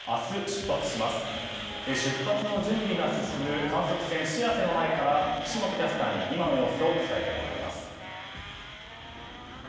出発の準備が進む観測船「しらせ」の前から岸本キャスターに今の様子を伝えてもらいます。